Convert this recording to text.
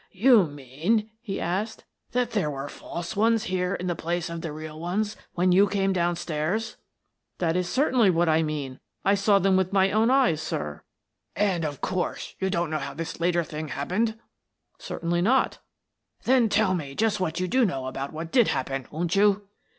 " You mean," he asked, " that there were false ones here in the place of the real ones when you came down stairs? " "That is certainly what I mean. I saw them with my own eyes, sir." " Dead for a Ducat " 47 " And, of course, you don't know how this later thing happened?" " Certainly not." "Then tell me just what you do know about what did happen, won't you